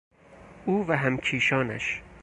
او و همکیشانش